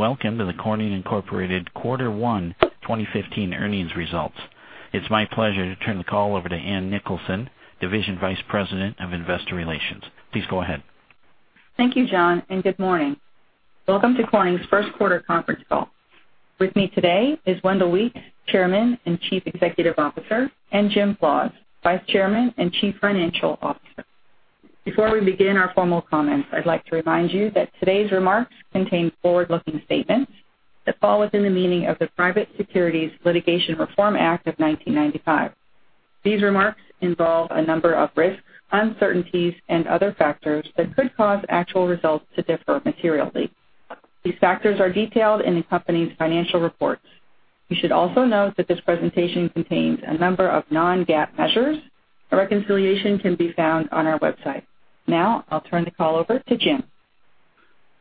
Welcome to the Corning Incorporated quarter one 2015 earnings results. It's my pleasure to turn the call over to Ann Nicholson, Division Vice President of Investor Relations. Please go ahead. Thank you, John, and good morning. Welcome to Corning's first quarter conference call. With me today is Wendell Weeks, Chairman and Chief Executive Officer, and Jim Flaws, Vice Chairman and Chief Financial Officer. Before we begin our formal comments, I'd like to remind you that today's remarks contain forward-looking statements that fall within the meaning of the Private Securities Litigation Reform Act of 1995. These remarks involve a number of risks, uncertainties, and other factors that could cause actual results to differ materially. These factors are detailed in the company's financial reports. You should also note that this presentation contains a number of non-GAAP measures. A reconciliation can be found on our website. I'll turn the call over to Jim.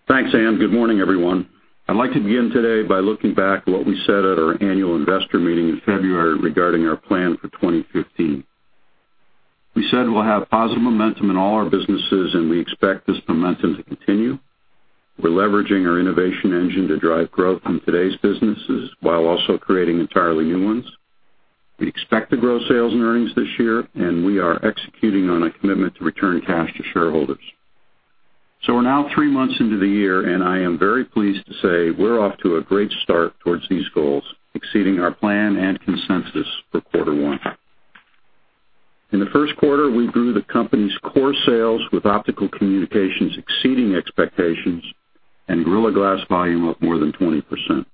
Thanks, Ann. Good morning, everyone. I'd like to begin today by looking back at what we said at our annual investor meeting in February regarding our plan for 2015. We said we'll have positive momentum in all our businesses, and we expect this momentum to continue. We're leveraging our innovation engine to drive growth in today's businesses while also creating entirely new ones. We expect to grow sales and earnings this year, and we are executing on a commitment to return cash to shareholders. We're now three months into the year, and I am very pleased to say we're off to a great start towards these goals, exceeding our plan and consensus for quarter one. In the first quarter, we grew the company's core sales, with Optical Communications exceeding expectations and Gorilla Glass volume up more than 20%.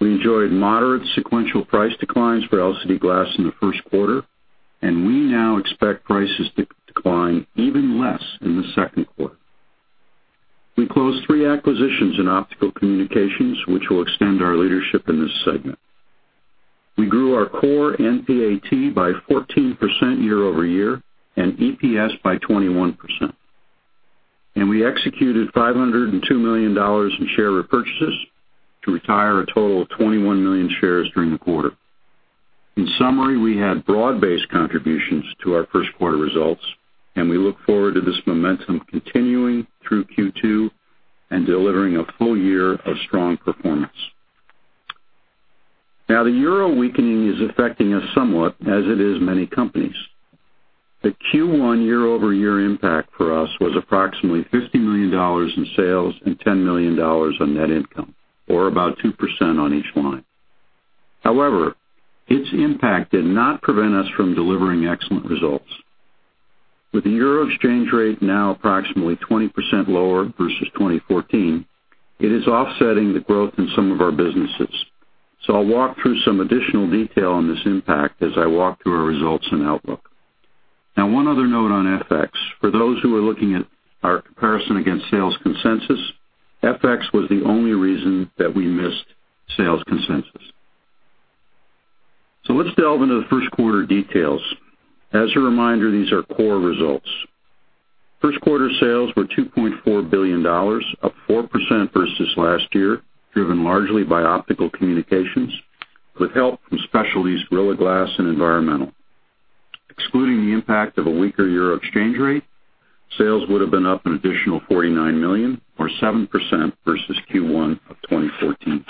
We enjoyed moderate sequential price declines for LCD glass in the first quarter, and we now expect prices to decline even less in the second quarter. We closed three acquisitions in Optical Communications, which will extend our leadership in this segment. We grew our core NPAT by 14% year-over-year and EPS by 21%. We executed $502 million in share repurchases to retire a total of 21 million shares during the quarter. In summary, we had broad-based contributions to our first-quarter results, and we look forward to this momentum continuing through Q2 and delivering a full year of strong performance. The euro weakening is affecting us somewhat, as it is many companies. The Q1 year-over-year impact for us was approximately $50 million in sales and $10 million on net income, or about 2% on each line. However, its impact did not prevent us from delivering excellent results. With the euro exchange rate now approximately 20% lower versus 2014, it is offsetting the growth in some of our businesses. I'll walk through some additional detail on this impact as I walk through our results and outlook. One other note on FX. For those who are looking at our comparison against sales consensus, FX was the only reason that we missed sales consensus. Let's delve into the first-quarter details. As a reminder, these are core results. First-quarter sales were $2.4 billion, up 4% versus last year, driven largely by Optical Communications, with help from specialty Corning Gorilla Glass and environmental. Excluding the impact of a weaker euro exchange rate, sales would have been up an additional $49 million or 7% versus Q1 of 2014.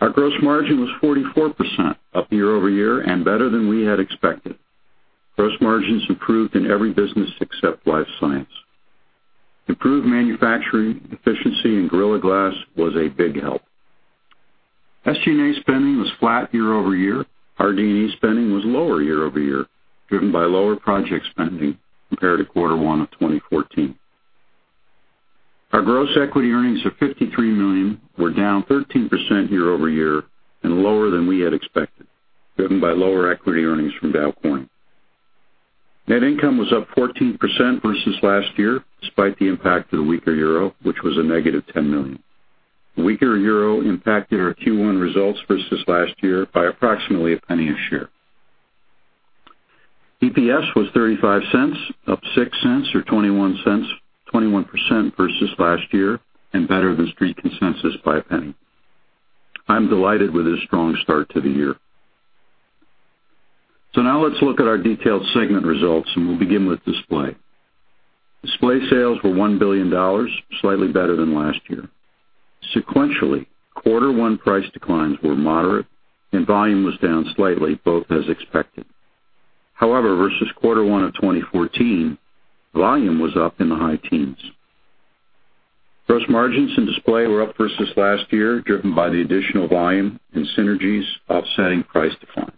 Our gross margin was 44% up year-over-year and better than we had expected. Gross margins improved in every business except Life Sciences. Improved manufacturing efficiency in Corning Gorilla Glass was a big help. SG&A spending was flat year-over-year. Our D&E spending was lower year-over-year, driven by lower project spending compared to Q1 of 2014. Our gross equity earnings of $53 million were down 13% year-over-year and lower than we had expected, driven by lower equity earnings from Dow Corning. Net income was up 14% versus last year, despite the impact of the weaker euro, which was a negative $10 million. The weaker euro impacted our Q1 results versus last year by approximately $0.01 a share. EPS was $0.35, up $0.06 or 21% versus last year and better than Street consensus by $0.01. I'm delighted with this strong start to the year. Now let's look at our detailed segment results, and we'll begin with Display. Display sales were $1 billion, slightly better than last year. Sequentially, Q1 price declines were moderate and volume was down slightly, both as expected. However, versus Q1 of 2014, volume was up in the high teens. Gross margins in Display were up versus last year, driven by the additional volume and synergies offsetting price declines.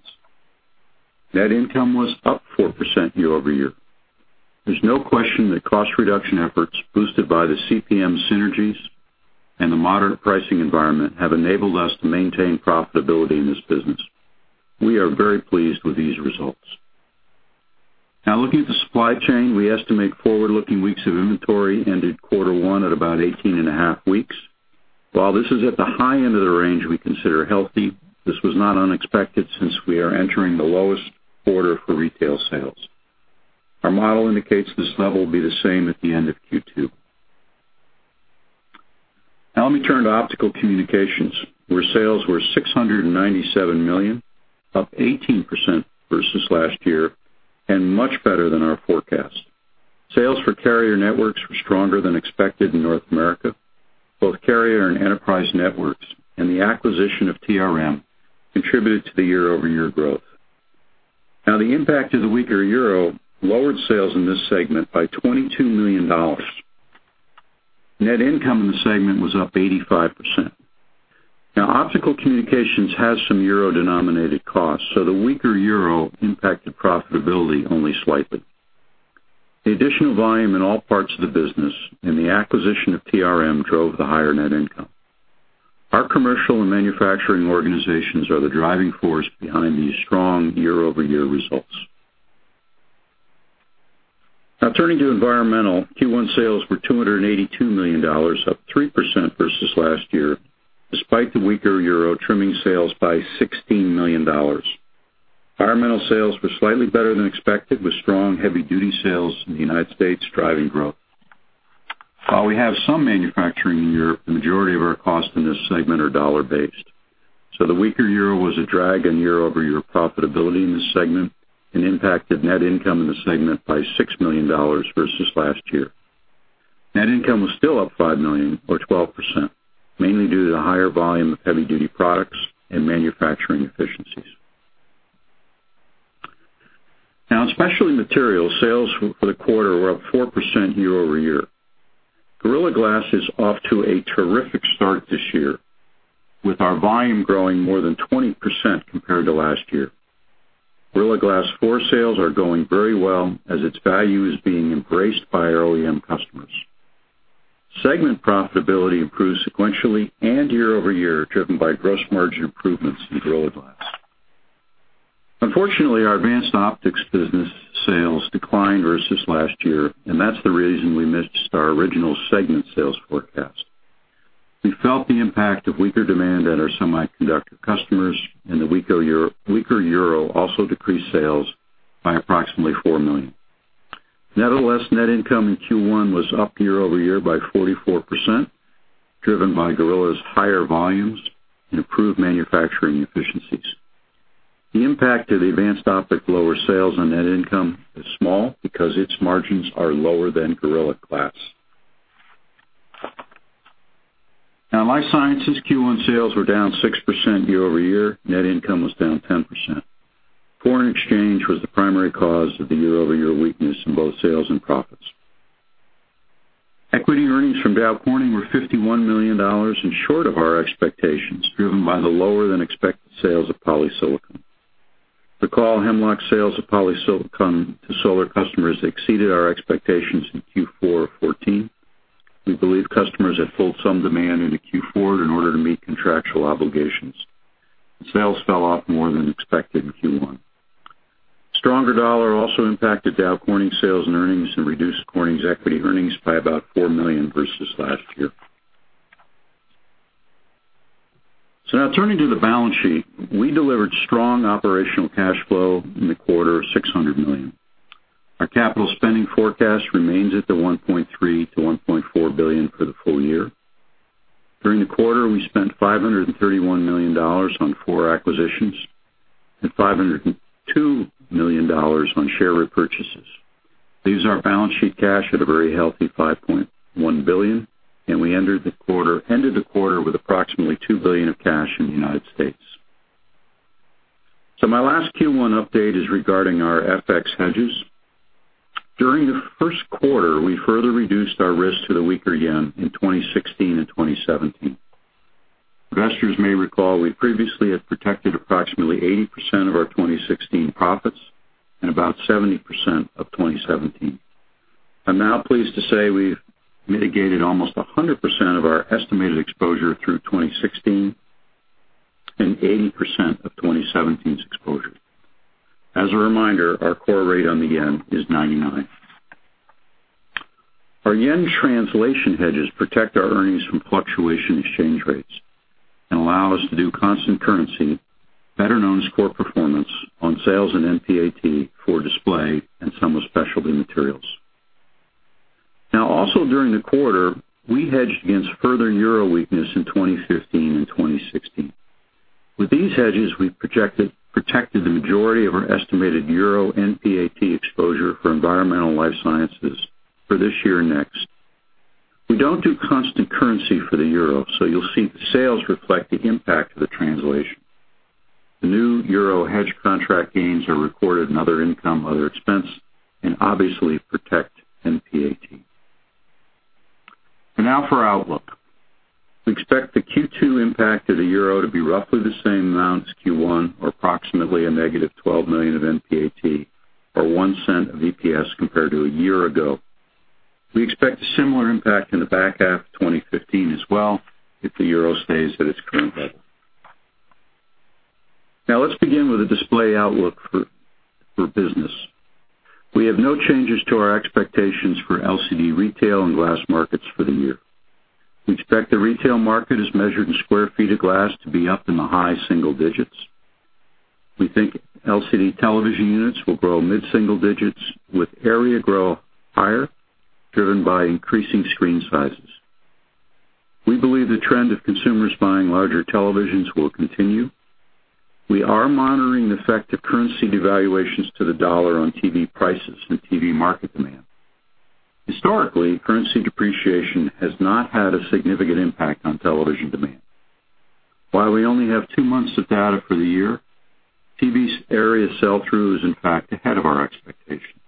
Net income was up 4% year-over-year. There's no question that cost reduction efforts boosted by the CPM synergies and the moderate pricing environment have enabled us to maintain profitability in this business. We are very pleased with these results. Looking at the supply chain, we estimate forward-looking weeks of inventory ended Q1 at about 18.5 weeks. While this is at the high end of the range we consider healthy, this was not unexpected since we are entering the lowest quarter for retail sales. Our model indicates this level will be the same at the end of Q2. Let me turn to Optical Communications, where sales were $697 million, up 18% versus last year much better than our forecast. Sales for carrier networks were stronger than expected in North America. Both carrier and enterprise networks and the acquisition of TRM contributed to the year-over-year growth. The impact of the weaker euro lowered sales in this segment by $22 million. Net income in the segment was up 85%. Optical Communications has some euro-denominated costs, so the weaker euro impacted profitability only slightly. The additional volume in all parts of the business and the acquisition of TRM drove the higher net income. Our commercial and manufacturing organizations are the driving force behind these strong year-over-year results. Turning to environmental, Q1 sales were $282 million, up 3% versus last year, despite the weaker EUR trimming sales by $16 million. Environmental sales were slightly better than expected, with strong heavy-duty sales in the U.S. driving growth. While we have some manufacturing in Europe, the majority of our costs in this segment are dollar-based. The weaker EUR was a drag on year-over-year profitability in this segment and impacted net income in the segment by $6 million versus last year. Net income was still up 5 million or 12%, mainly due to the higher volume of heavy duty products and manufacturing efficiencies. Specialty materials sales for the quarter were up 4% year-over-year. Gorilla Glass is off to a terrific start this year, with our volume growing more than 20% compared to last year. Gorilla Glass 4 sales are going very well as its value is being embraced by our OEM customers. Segment profitability improved sequentially and year-over-year, driven by gross margin improvements in Gorilla Glass. Unfortunately, our Advanced Optics business sales declined versus last year, and that's the reason we missed our original segment sales forecast. We felt the impact of weaker demand at our semiconductor customers and the weaker EUR also decreased sales by approximately 4 million. Nevertheless, net income in Q1 was up year-over-year by 44%, driven by Gorilla's higher volumes and improved manufacturing efficiencies. The impact of the Advanced Optics lower sales on net income is small because its margins are lower than Gorilla Glass. Life Sciences Q1 sales were down 6% year-over-year. Net income was down 10%. Foreign exchange was the primary cause of the year-over-year weakness in both sales and profits. Equity earnings from Dow Corning were $51 million and short of our expectations, driven by the lower-than-expected sales of polysilicon. Recall Hemlock sales of polysilicon to solar customers exceeded our expectations in Q4 2014. We believe customers had pulled some demand into Q4 in order to meet contractual obligations, and sales fell off more than expected in Q1. Stronger dollar also impacted Dow Corning sales and earnings and reduced Corning's equity earnings by about 4 million versus last year. Turning to the balance sheet. We delivered strong operational cash flow in the quarter of $600 million. Our capital spending forecast remains at the $1.3 billion-$1.4 billion for the full year. During the quarter, we spent $531 million on 4 acquisitions and $502 million on share repurchases. These are balance sheet cash at a very healthy $5.1 billion, and we ended the quarter with approximately 2 billion of cash in the U.S. My last Q1 update is regarding our FX hedges. During the first quarter, we further reduced our risk to the weaker JPY in 2016 and 2017. Investors may recall we previously had protected approximately 80% of our 2016 profits and about 70% of 2017. I'm now pleased to say we've mitigated almost 100% of our estimated exposure through 2016 and 80% of 2017's exposure. As a reminder, our core rate on the JPY is 99. Our JPY translation hedges protect our earnings from fluctuation exchange rates and allow us to do constant currency, better known as core performance, on sales and NPAT for display and some of specialty materials. Also during the quarter, we hedged against further EUR weakness in 2015 and 2016. With these hedges, we protected the majority of our estimated EUR NPAT exposure for Environmental and Life Sciences for this year and next. We don't do constant currency for the EUR, you'll see the sales reflect the impact of the translation. The new EUR hedge contract gains are recorded in other income, other expense, and obviously protect NPAT. For outlook. We expect the Q2 impact of the EUR to be roughly the same amount as Q1, or approximately a negative $12 million of NPAT, or $0.01 of EPS compared to a year ago. We expect a similar impact in the back half of 2015 as well if the EUR stays at its current level. Let's begin with the display outlook for business. We have no changes to our expectations for LCD retail and glass markets for the year. We expect the retail market, as measured in sq ft of glass, to be up in the high single digits. We think LCD television units will grow mid-single digits with area growth higher, driven by increasing screen sizes. We believe the trend of consumers buying larger televisions will continue. We are monitoring the effect of currency devaluations to the dollar on TV prices and TV market demand. Historically, currency depreciation has not had a significant impact on television demand. While we only have two months of data for the year, TV area sell-through is in fact ahead of our expectations.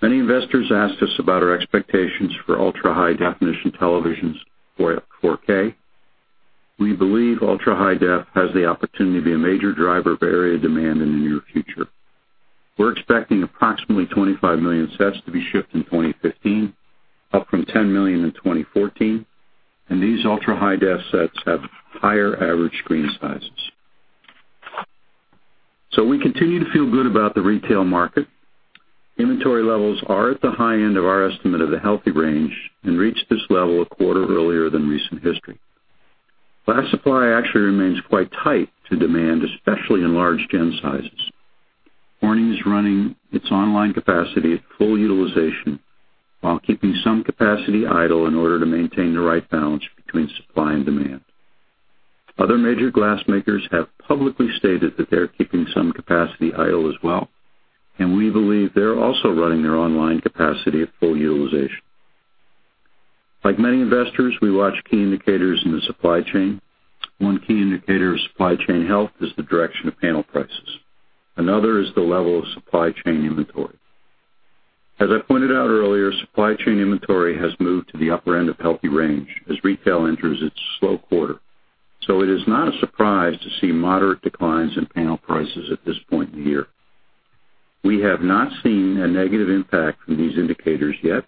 Many investors ask us about our expectations for ultra-high-definition televisions, or 4K. We believe ultra-high def has the opportunity to be a major driver of area demand in the near future. We're expecting approximately 25 million sets to be shipped in 2015, up from 10 million in 2014, and these ultra-high def sets have higher average screen sizes. We continue to feel good about the retail market. Inventory levels are at the high end of our estimate of the healthy range and reached this level a quarter earlier than recent history. Glass supply actually remains quite tight to demand, especially in large Gen sizes. Corning is running its online capacity at full utilization while keeping some capacity idle in order to maintain the right balance between supply and demand. Other major glass makers have publicly stated that they are keeping some capacity idle as well, and we believe they're also running their online capacity at full utilization. Like many investors, we watch key indicators in the supply chain. One key indicator of supply chain health is the direction of panel prices. Another is the level of supply chain inventory. As I pointed out earlier, supply chain inventory has moved to the upper end of healthy range as retail enters its slow quarter. It is not a surprise to see moderate declines in panel prices at this point in the year. We have not seen a negative impact from these indicators yet,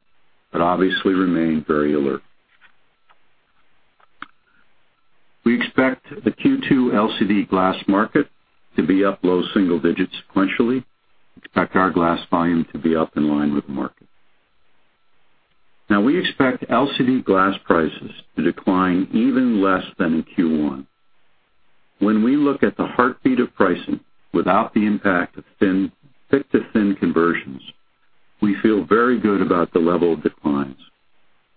obviously remain very alert. We expect the Q2 LCD glass market to be up low single digits sequentially. We expect our glass volume to be up in line with the market. We expect LCD glass prices to decline even less than in Q1. When we look at the heartbeat of pricing without the impact of thick-to-thin conversions, we feel very good about the level of declines.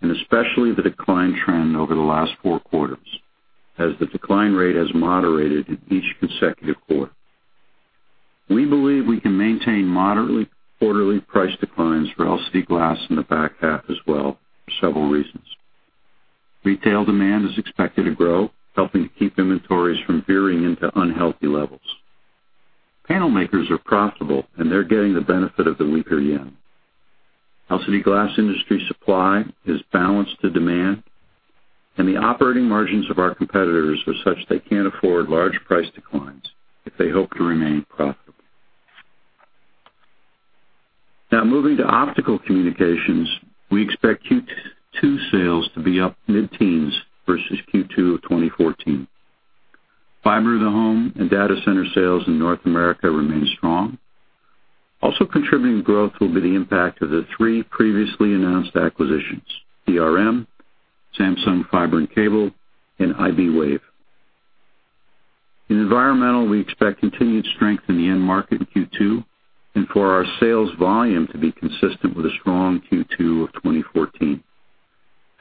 Especially the decline trend over the last 4 quarters, as the decline rate has moderated in each consecutive quarter. We believe we can maintain moderately quarterly price declines for LCD glass in the back half as well for several reasons. Retail demand is expected to grow, helping to keep inventories from veering into unhealthy levels. Panel makers are profitable, and they're getting the benefit of the weaker yen. LCD glass industry supply is balanced to demand, and the operating margins of our competitors are such they can't afford large price declines if they hope to remain profitable. Moving to Optical Communications, we expect Q2 sales to be up mid-teens versus Q2 of 2014. fiber to the home and data center sales in North America remain strong. Also contributing growth will be the impact of the 3 previously announced acquisitions: TRM, Samsung Fiber & Cable, and iBwave. Environmental, we expect continued strength in the end market in Q2, and for our sales volume to be consistent with a strong Q2 of 2014.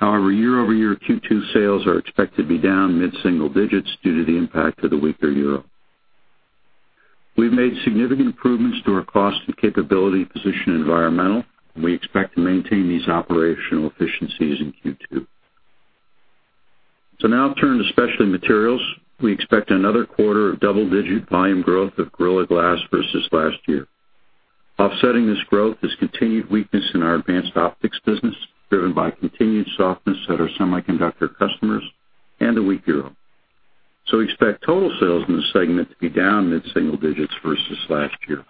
However, year-over-year Q2 sales are expected to be down mid-single digits due to the impact of the weaker euro. We've made significant improvements to our cost and capability position in Environmental, and we expect to maintain these operational efficiencies in Q2. Now turning to Specialty Materials, we expect another quarter of double-digit volume growth of Gorilla Glass versus last year. Offsetting this growth is continued weakness in our Advanced Optics business, driven by continued softness at our semiconductor customers and a weak euro. We expect total sales in this segment to be down mid-single digits versus last year.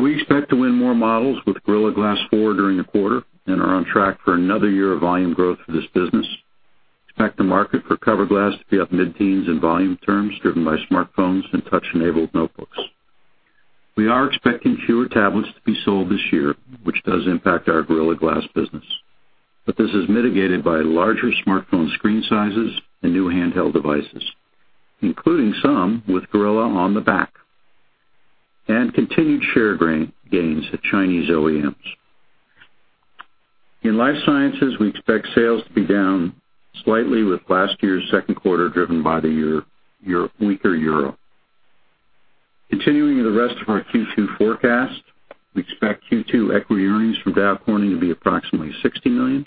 We expect to win more models with Gorilla Glass 4 during the quarter and are on track for another year of volume growth for this business. We expect the market for Cover Glass to be up mid-teens in volume terms, driven by smartphones and touch-enabled notebooks. We are expecting fewer tablets to be sold this year, which does impact our Gorilla Glass business. This is mitigated by larger smartphone screen sizes and new handheld devices, including some with Gorilla on the back, and continued share gains at Chinese OEMs. In Life Sciences, we expect sales to be down slightly with last year's second quarter driven by the weaker euro. Continuing to the rest of our Q2 forecast, we expect Q2 equity earnings from Dow Corning to be approximately $60 million.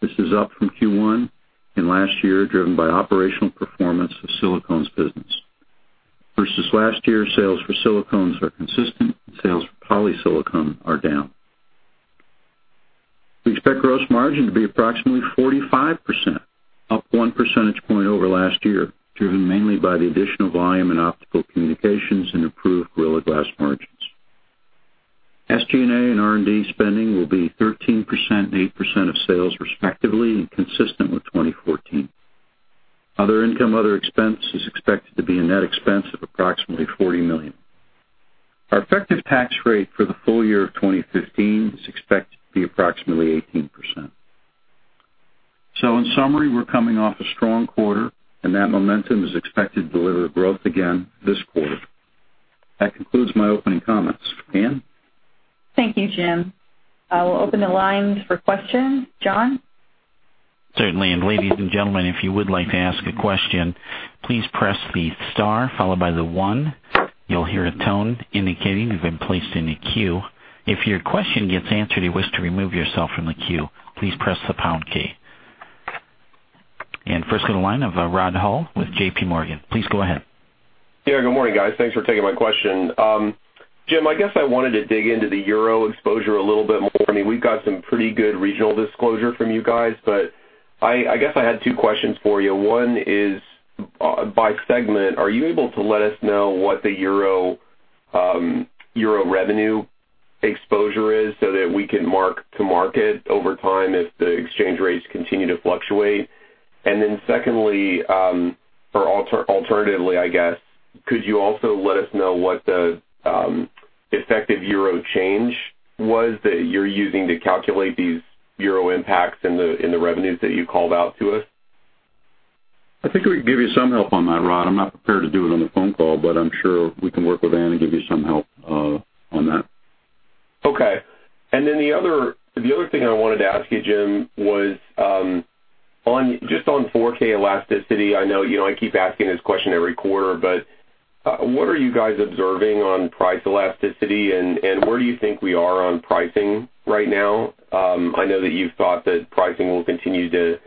This is up from Q1 and last year, driven by operational performance of Silicones business. Versus last year, sales for Silicones are consistent, and sales for polysilicon are down. We expect gross margin to be approximately 45%, up one percentage point over last year, driven mainly by the additional volume in Optical Communications and improved Gorilla Glass margins. SG&A and R&D spending will be 13% and 8% of sales respectively and consistent with 2014. Other income, other expense is expected to be a net expense of approximately $40 million. Our effective tax rate for the full year of 2015 is expected to be approximately 18%. In summary, we're coming off a strong quarter, and that momentum is expected to deliver growth again this quarter. That concludes my opening comments. Ann? Thank you, Jim. I will open the lines for questions. John? Certainly, ladies and gentlemen, if you would like to ask a question, please press the star followed by the 1. You'll hear a tone indicating you've been placed in a queue. If your question gets answered and you wish to remove yourself from the queue, please press the pound key. First on the line of Rod Hall with J.P. Morgan. Please go ahead. Good morning, guys. Thanks for taking my question. Jim, I guess I wanted to dig into the EUR exposure a little bit more. I mean, we've got some pretty good regional disclosure from you guys, but I guess I had two questions for you. One is by segment. Are you able to let us know what the EUR revenue exposure is so that we can mark to market over time if the exchange rates continue to fluctuate? Then secondly, or alternatively, I guess, could you also let us know what the effective EUR change was that you're using to calculate these EUR impacts in the revenues that you called out to us? I think we can give you some help on that, Rod. I'm not prepared to do it on the phone call, but I'm sure we can work with Ann and give you some help on that. Okay. The other thing I wanted to ask you, Jim, was just on 4K elasticity. I know I keep asking this question every quarter, what are you guys observing on price elasticity, and where do you think we are on pricing right now? I know that you've thought that pricing will continue to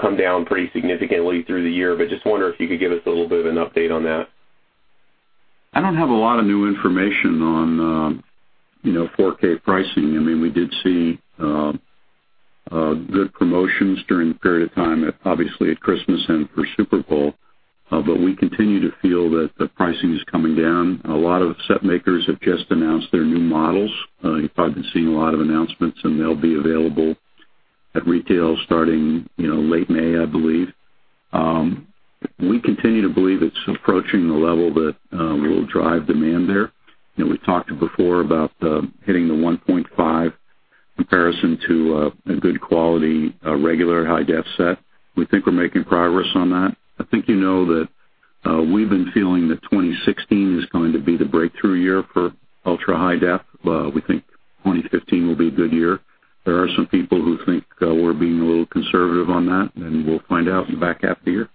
come down pretty significantly through the year, just wonder if you could give us a little bit of an update on that. I don't have a lot of new information on 4K pricing. I mean, we did see good promotions during the period of time, obviously at Christmas and for Super Bowl. We continue to feel that the pricing is coming down. A lot of set makers have just announced their new models. You've probably been seeing a lot of announcements, and they'll be available at retail starting late May, I believe. We continue to believe it's approaching the level that will drive demand there. We talked before about hitting the 1.5 comparison to a good quality regular high def set. We think we're making progress on that. I think you know that we've been feeling that 2016 is going to be the breakthrough year for ultra-high def. We think 2015 will be a good year. There are some people who think we're being a little conservative on that, we'll find out in the back half of the year.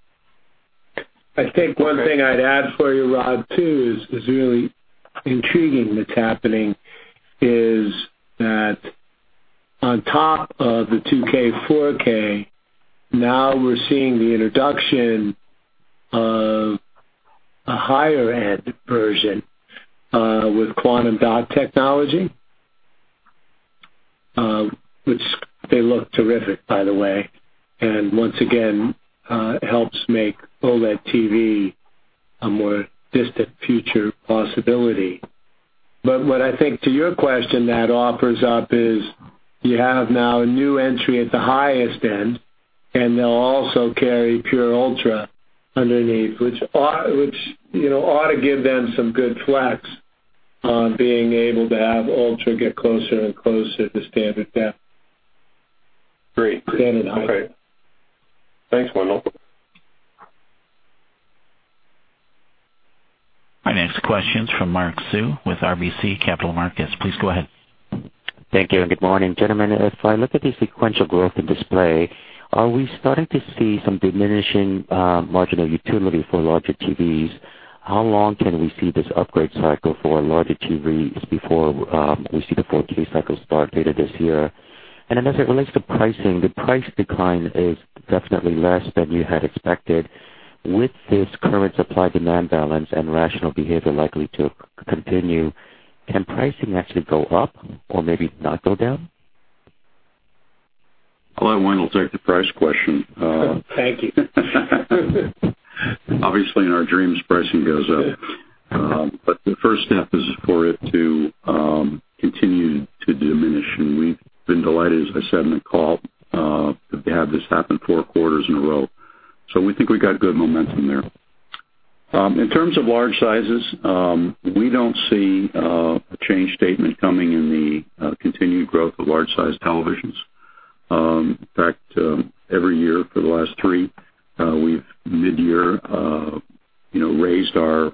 I think one thing I'd add for you, Rod, too, is really intriguing that's happening is that on top of the 2K, 4K, now we're seeing the introduction of a higher-end version with quantum dot technology, which they look terrific by the way, and once again helps make OLED TV a more distant future possibility. What I think to your question that offers up is you have now a new entry at the highest end, and they'll also carry pure Ultra underneath, which ought to give them some good flex on being able to have Ultra get closer and closer to standard def. Great. Standard high def. Okay. Thanks, Wendell. Our next question's from Mark Sue with RBC Capital Markets. Please go ahead. Thank you and good morning, gentlemen. If I look at the sequential growth in display, are we starting to see some diminishing marginal utility for larger TVs? How long can we see this upgrade cycle for larger TVs before we see the 4K cycle start later this year? As it relates to pricing, the price decline is definitely less than you had expected. With this current supply-demand balance and rational behavior likely to continue, can pricing actually go up or maybe not go down? Well, Wendell will take the price question. Thank you. Obviously, in our dreams, pricing goes up. The first step is for it to continue to diminish. We've been delighted, as I said in the call, to have this happen four quarters in a row. We think we've got good momentum there. In terms of large sizes, we don't see a change statement coming in the continued growth of large size televisions. In fact, every year for the last three, we've mid-year raised our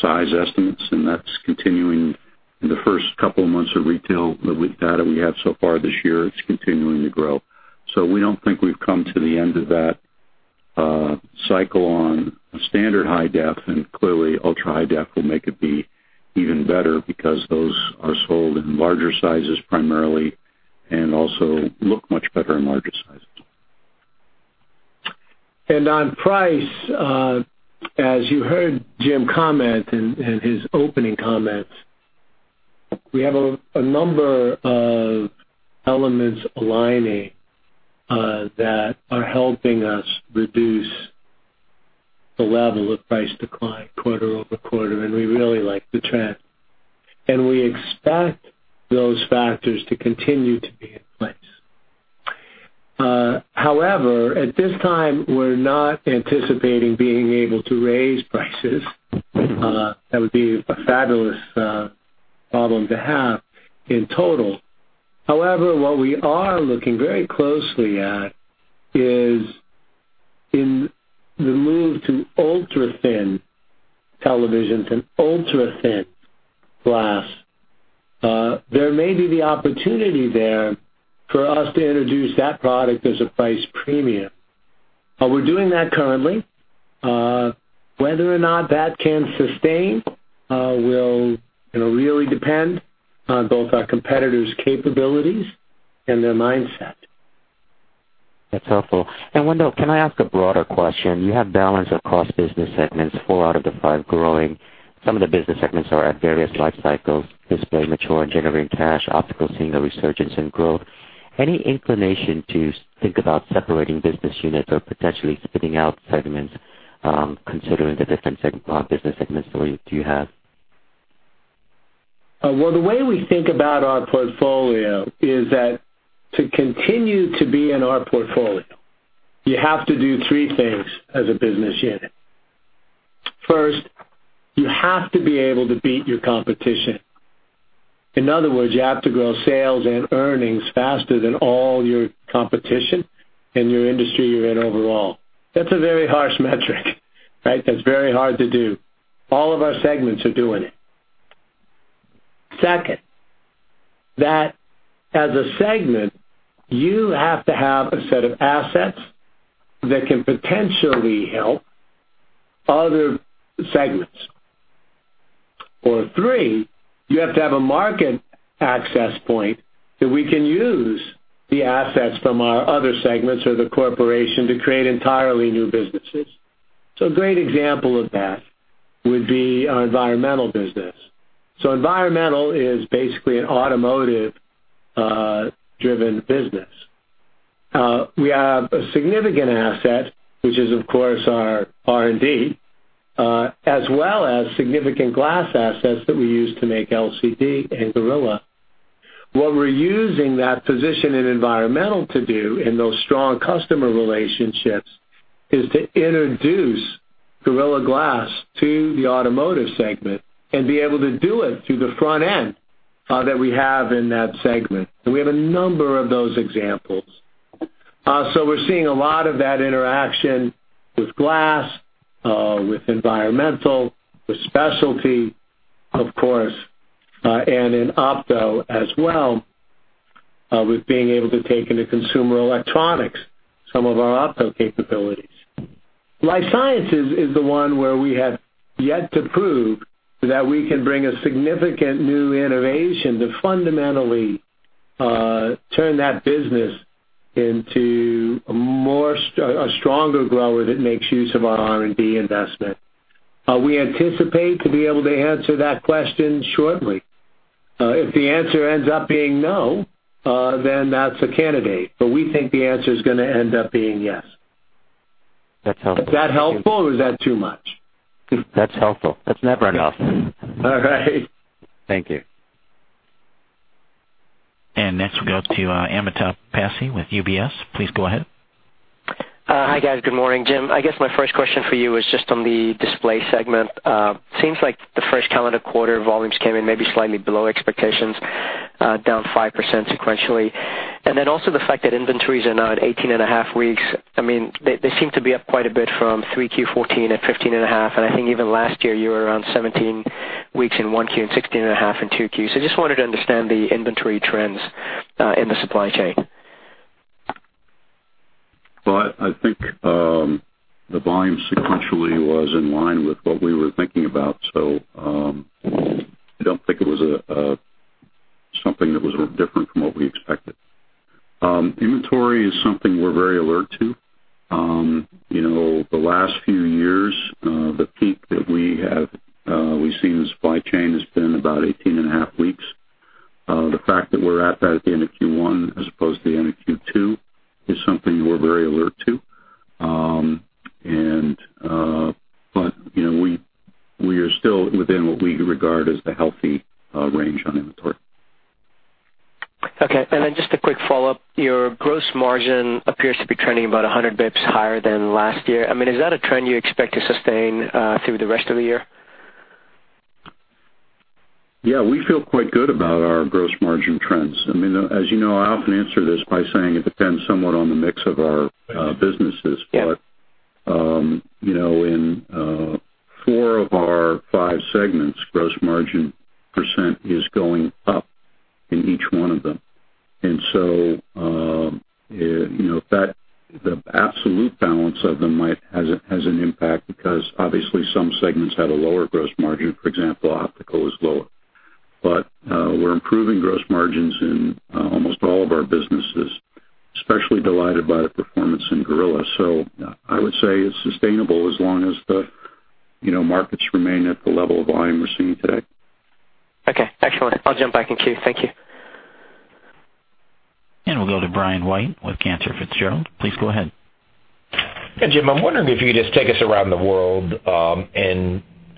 size estimates, and that's continuing in the first couple of months of retail data we have so far this year. It's continuing to grow. We don't think we've come to the end of that cycle on standard high-def, and clearly ultra-high-def will make it be even better because those are sold in larger sizes primarily and also look much better in larger sizes. On price, as you heard Jim comment in his opening comments, we have a number of elements aligning that are helping us reduce the level of price decline quarter-over-quarter, and we really like the trend, and we expect those factors to continue to be in place. However, at this time, we're not anticipating being able to raise prices. That would be a fabulous problem to have in total. However, what we are looking very closely at is in the move to ultra-thin televisions and ultra-thin glass, there may be the opportunity there for us to introduce that product as a price premium. We're doing that currently. Whether or not that can sustain will really depend on both our competitors' capabilities and their mindset. That's helpful. Wendell, can I ask a broader question? You have balance across business segments, four out of the five growing. Some of the business segments are at various life cycles, display mature and generating cash, optical seeing a resurgence in growth. Any inclination to think about separating business units or potentially spinning out segments, considering the different business segments that you have? Well, the way we think about our portfolio is that to continue to be in our portfolio, you have to do three things as a business unit. First, you have to be able to beat your competition. In other words, you have to grow sales and earnings faster than all your competition in your industry you're in overall. That's a very harsh metric, right? That's very hard to do. All of our segments are doing it. Second, that as a segment, you have to have a set of assets that can potentially help other segments. Three, you have to have a market access point that we can use the assets from our other segments or the corporation to create entirely new businesses. A great example of that would be our environmental business. Environmental is basically an automotive-driven business. We have a significant asset, which is of course our R&D, as well as significant glass assets that we use to make LCD and Gorilla. What we're using that position in environmental to do in those strong customer relationships is to introduce Gorilla Glass to the automotive segment and be able to do it through the front end that we have in that segment. We have a number of those examples. We're seeing a lot of that interaction with glass, with environmental, with specialty of course, and in opto as well, with being able to take into consumer electronics some of our opto capabilities. Life sciences is the one where we have yet to prove that we can bring a significant new innovation to fundamentally turn that business into a stronger grower that makes use of our R&D investment. We anticipate to be able to answer that question shortly. If the answer ends up being no, then that's a candidate, but we think the answer's going to end up being yes. That's helpful. Is that helpful or is that too much? That's helpful. That's never enough. All right. Thank you. Next we'll go to Amitabh Passi with UBS. Please go ahead. Hi, guys. Good morning. Jim, I guess my first question for you is just on the display segment. Seems like the first calendar quarter volumes came in maybe slightly below expectations, down 5% sequentially. Also the fact that inventories are now at 18.5 weeks. They seem to be up quite a bit from 3Q 2014 at 15.5, and I think even last year you were around 17 weeks in 1Q and 16.5 in 2Qs. Just wanted to understand the inventory trends in the supply chain. Well, I think the volume sequentially was in line with what we were thinking about, I don't think it was something that was different from what we expected. Inventory is something we're very alert to. The last few years, the peak that we've seen in the supply chain has been about 18.5 weeks. The fact that we're at that at the end of Q1 as opposed to the end of Q2 is something we're very alert to. We are still within what we regard as the healthy range on inventory. Okay. Just a quick follow-up. Your gross margin appears to be trending about 100 basis points higher than last year. Is that a trend you expect to sustain through the rest of the year? Yeah. We feel quite good about our gross margin trends. As you know, I often answer this by saying it depends somewhat on the mix of our businesses. Yeah. In four of our five segments, gross margin % is going up in each one of them. The absolute balance of them has an impact because obviously some segments have a lower gross margin. For example, optical is lower. We're improving gross margins in almost all of our businesses, especially delighted by the performance in Gorilla. I would say it's sustainable as long as the markets remain at the level of volume we're seeing today. Okay, excellent. I'll jump back in queue. Thank you. We'll go to Brian White with Cantor Fitzgerald. Please go ahead. Jim, I'm wondering if you could just take us around the world,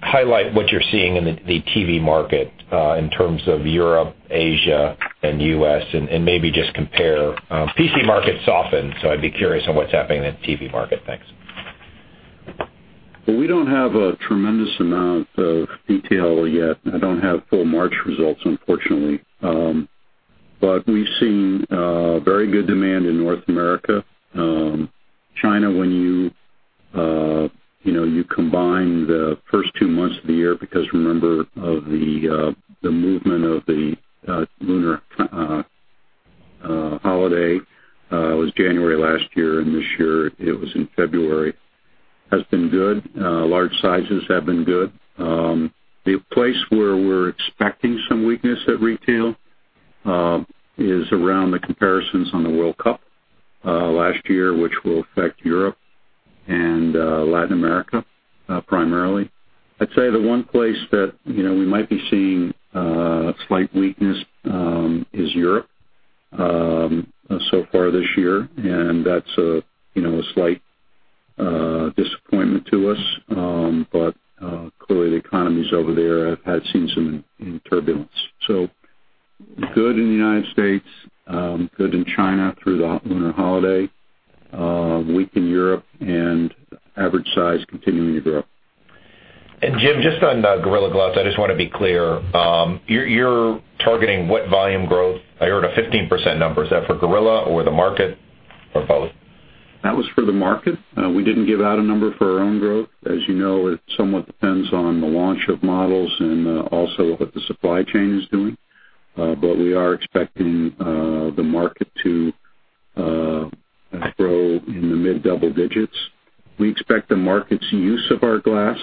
highlight what you're seeing in the TV market, in terms of Europe, Asia, and U.S., and maybe just compare. PC market's softened, I'd be curious on what's happening in the TV market. Thanks. We don't have a tremendous amount of detail yet. I don't have full March results, unfortunately. We've seen very good demand in North America. China, when you combine the first two months of the year, because remember of the movement of the Lunar holiday was January last year, and this year it was in February, has been good. Large sizes have been good. The place where we're expecting some weakness at retail, is around the comparisons on the World Cup, last year, which will affect Europe and Latin America, primarily. I'd say the one place that we might be seeing a slight weakness is Europe, so far this year. That's a slight disappointment to us. Clearly the economies over there have had seen some turbulence. Good in the United States, good in China through the Lunar holiday, weak in Europe, average size continuing to grow. Jim, just on Gorilla Glass, I just want to be clear. You're targeting what volume growth? I heard a 15% number. Is that for Gorilla, or the market, or both? That was for the market. We didn't give out a number for our own growth. As you know, it somewhat depends on the launch of models and also what the supply chain is doing. We are expecting the market to grow in the mid double digits. We expect the market's use of our glass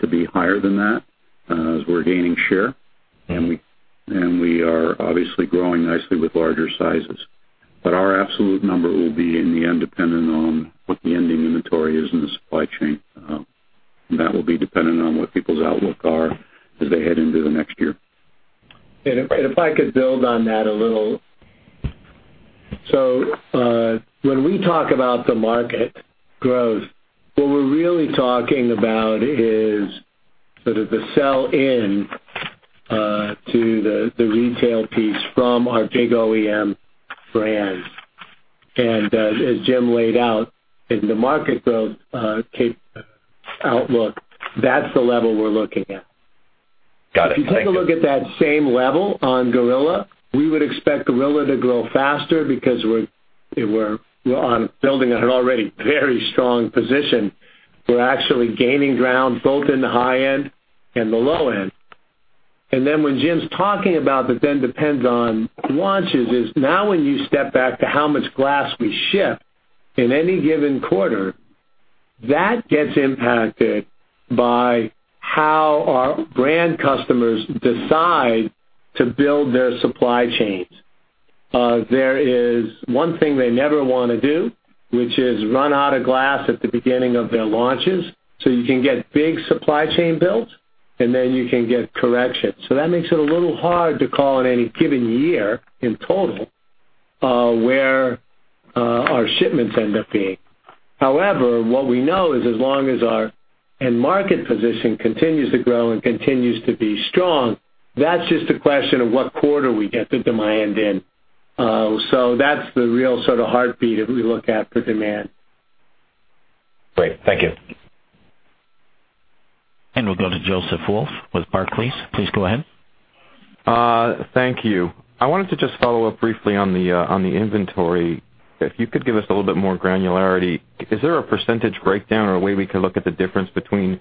to be higher than that, as we're gaining share. We are obviously growing nicely with larger sizes. Our absolute number will be in the end, dependent on what the ending inventory is in the supply chain. That will be dependent on what people's outlook are as they head into the next year. If I could build on that a little. When we talk about the market growth, what we're really talking about is sort of the sell-in to the retail piece from our big OEM brands. As Jim laid out in the market growth outlook, that's the level we're looking at. Got it. Thank you. If you take a look at that same level on Gorilla, we would expect Gorilla to grow faster because we're on building an already very strong position. We're actually gaining ground both in the high end and the low end. When Jim's talking about that then depends on launches, when you step back to how much glass we ship in any given quarter, that gets impacted by how our brand customers decide to build their supply chains. There is one thing they never want to do, which is run out of glass at the beginning of their launches. You can get big supply chain builds, and then you can get corrections. That makes it a little hard to call at any given year, in total, where our shipments end up being. However, what we know is as long as our end market position continues to grow and continues to be strong, that's just a question of what quarter we get the demand in. That's the real sort of heartbeat that we look at for demand. Great. Thank you. We'll go to Joseph Wolfe with Barclays. Please go ahead. Thank you. I wanted to just follow up briefly on the inventory. If you could give us a little bit more granularity. Is there a % breakdown or a way we could look at the difference between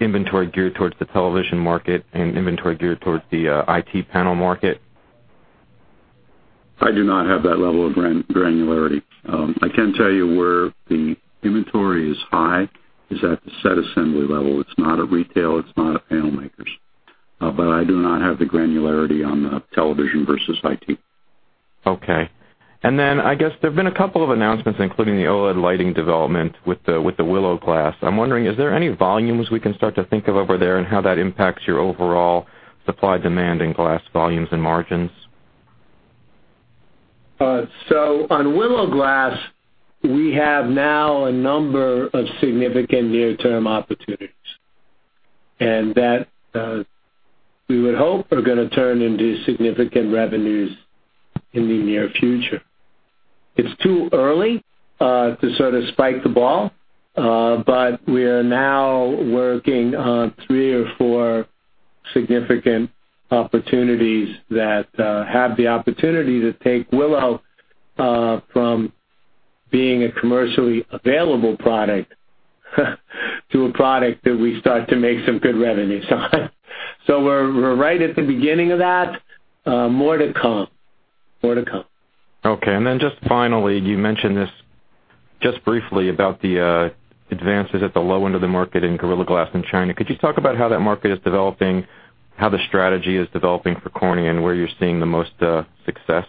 inventory geared towards the television market and inventory geared towards the IT panel market? I do not have that level of granularity. I can tell you where the inventory is high is at the set assembly level. It's not at retail, it's not at panel makers. I do not have the granularity on the television versus IT. Okay. I guess there have been a couple of announcements, including the OLED lighting development with the Willow Glass. I'm wondering, is there any volumes we can start to think of over there and how that impacts your overall supply-demand in glass volumes and margins? On Willow Glass, we have now a number of significant near-term opportunities, that, we would hope are going to turn into significant revenues in the near future. It's too early to sort of spike the ball, we are now working on three or four significant opportunities that have the opportunity to take Willow from being a commercially available product to a product that we start to make some good revenues on. We're right at the beginning of that. More to come. Okay. Then just finally, you mentioned this just briefly about the advances at the low end of the market in Gorilla Glass in China. Could you talk about how that market is developing, how the strategy is developing for Corning, and where you're seeing the most success?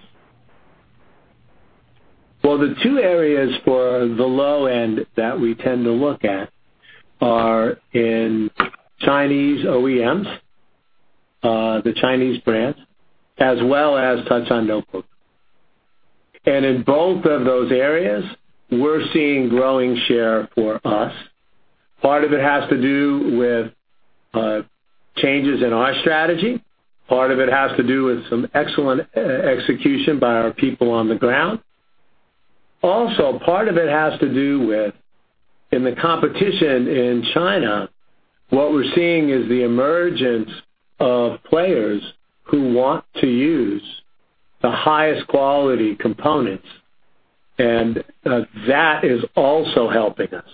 Well, the two areas for the low end that we tend to look at are in Chinese OEMs, the Chinese brands, as well as touch on notebook. In both of those areas, we're seeing growing share for us. Part of it has to do with changes in our strategy. Part of it has to do with some excellent execution by our people on the ground. Also, part of it has to do with, in the competition in China, what we're seeing is the emergence of players who want to use the highest quality components, and that is also helping us.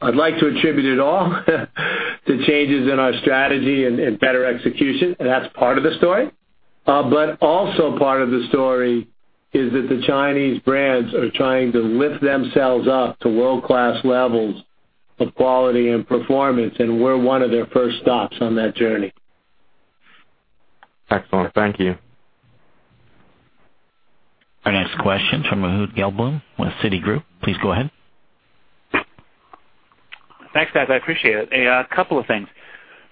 I'd like to attribute it all to changes in our strategy and better execution. That's part of the story. Also part of the story is that the Chinese brands are trying to lift themselves up to world-class levels of quality and performance, and we're one of their first stops on that journey. Excellent. Thank you. Our next question from Ehud Gelblum with Citigroup. Please go ahead. Thanks, guys. I appreciate it. A couple of things.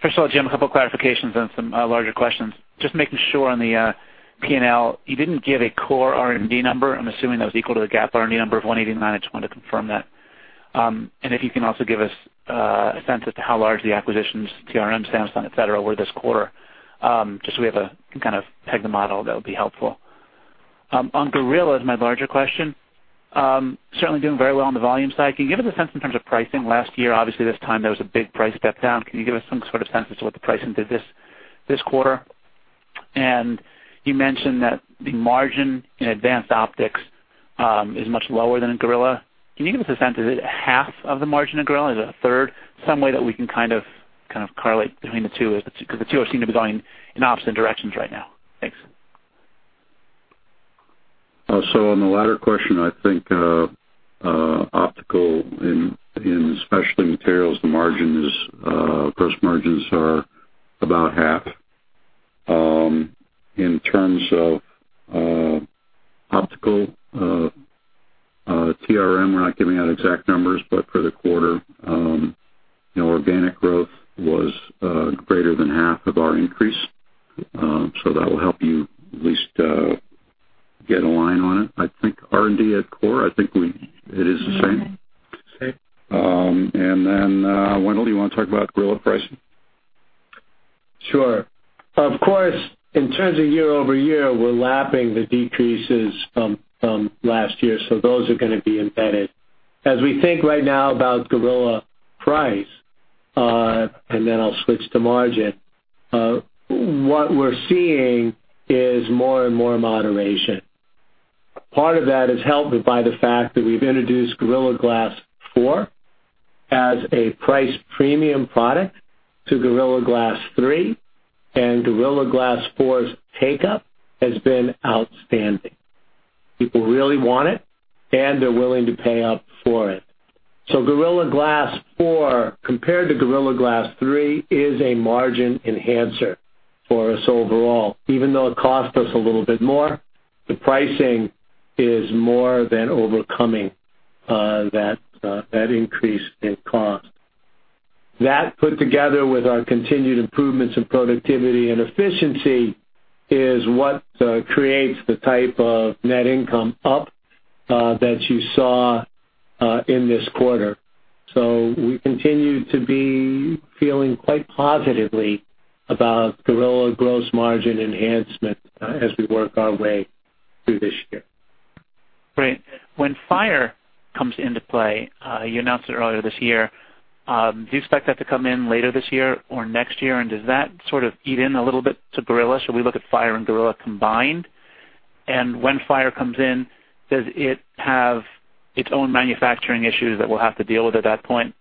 First of all, Jim, a couple clarifications on some larger questions. Just making sure on the P&L, you didn't give a core R&D number. I'm assuming that was equal to the GAAP R&D number of 189. I just wanted to confirm that. If you can also give us a sense as to how large the acquisitions, TRM, Samsung, et cetera, were this quarter, just so we have a kind of peg the model, that would be helpful. On Gorilla is my larger question. Certainly doing very well on the volume side. Can you give us a sense in terms of pricing? Last year, obviously, this time there was a big price step down. Can you give us some sort of sense as to what the pricing did this quarter? You mentioned that the margin in Advanced Optics is much lower than in Gorilla. Can you give us a sense, is it half of the margin of Gorilla? Is it a third? Some way that we can kind of correlate between the two, because the two seem to be going in opposite directions right now. Thanks. On the latter question, I think optical in Specialty Materials, the gross margins are about half. In terms of optical TRM, we're not giving out exact numbers, but for the quarter, organic growth was greater than half of our increase. That will help you at least get a line on it. I think R&D at core, I think it is the same. Same. Wendell, you want to talk about Gorilla pricing? Sure. Of course, in terms of year-over-year, we're lapping the decreases from last year, those are going to be embedded. As we think right now about Gorilla price, and then I'll switch to margin, what we're seeing is more and more moderation. Part of that is helped by the fact that we've introduced Gorilla Glass 4 as a price premium product to Gorilla Glass 3, and Gorilla Glass 4's take-up has been outstanding. People really want it, and they're willing to pay up for it. Gorilla Glass 4, compared to Gorilla Glass 3, is a margin enhancer for us overall. Even though it cost us a little bit more, the pricing is more than overcoming that increase in cost. That, put together with our continued improvements in productivity and efficiency, is what creates the type of net income up that you saw in this quarter. We continue to be feeling quite positively about Gorilla gross margin enhancement as we work our way through this year. Great. When Fibrance comes into play, you announced it earlier this year, do you expect that to come in later this year or next year, and does that sort of eat in a little bit to Gorilla? Should we look at Fibrance and Gorilla combined? When Fibrance comes in, does it have its own manufacturing issues that we'll have to deal with at that point,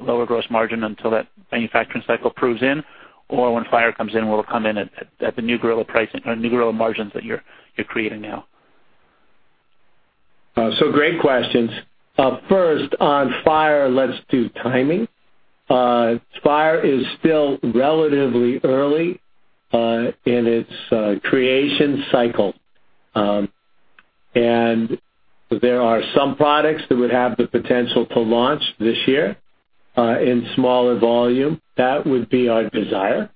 lower gross margin until that manufacturing cycle proves in? When Fibrance comes in, will it come in at the new Gorilla margins that you're creating now? Great questions. First, on Fibrance, let's do timing. Fibrance is still relatively early in its creation cycle. There are some products that would have the potential to launch this year in smaller volume. That would be our desire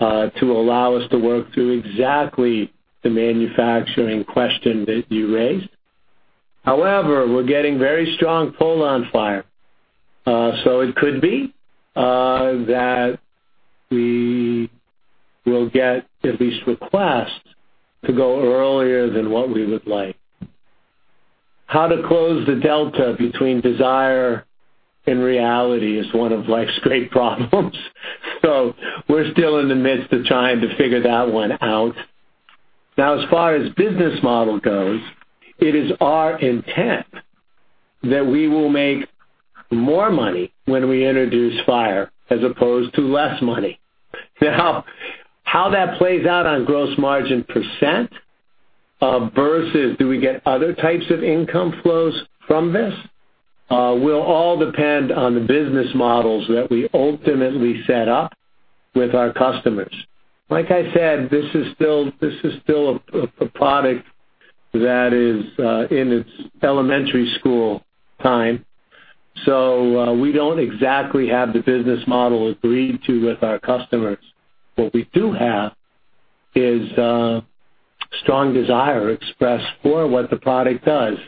to allow us to work through exactly the manufacturing question that you raised. However, we're getting very strong pull on Fibrance. It could be that we will get at least requests to go earlier than what we would like. How to close the delta between desire and reality is one of life's great problems. We're still in the midst of trying to figure that one out. Now, as far as business model goes, it is our intent that we will make more money when we introduce Fibrance as opposed to less money. Now, how that plays out on gross margin % versus do we get other types of income flows from this, will all depend on the business models that we ultimately set up with our customers. Like I said, this is still a product that is in its elementary school time. We don't exactly have the business model agreed to with our customers. What we do have is a strong desire expressed for what the product does.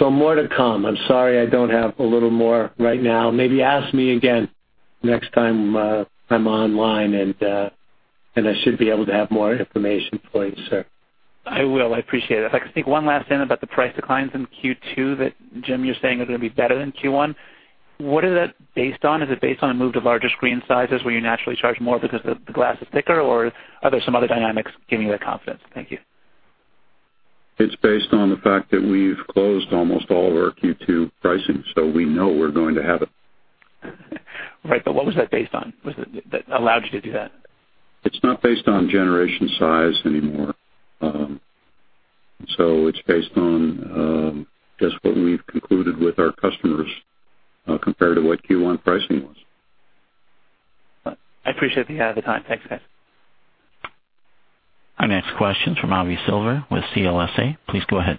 More to come. I'm sorry I don't have a little more right now. Maybe ask me again next time I'm online, and I should be able to have more information for you, sir. I will. I appreciate it. If I could sneak one last thing about the price declines in Q2 that, Jim, you're saying are going to be better than Q1. What is that based on? Is it based on a move to larger screen sizes where you naturally charge more because the glass is thicker, or are there some other dynamics giving you that confidence? Thank you. It's based on the fact that we've closed almost all of our Q2 pricing, so we know we're going to have it. Right. What was that based on that allowed you to do that? It's not based on generation size anymore. It's based on just what we've concluded with our customers compared to what Q1 pricing was. I appreciate the time. Thanks, guys. Our next question's from Avi Silver with CLSA. Please go ahead.